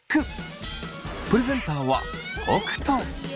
プレゼンターは北斗。